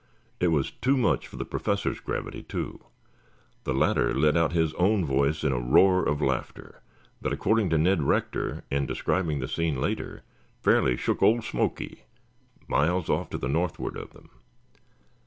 It was too much for the Professor's gravity, too. The latter let out his own voice in a roar of laughter that, according to Ned Rector in describing the scene later, fairly shook old Smoky, miles off to the northward of them.